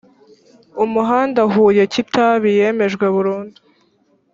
umuhanda huye kitabi yemejwe burundu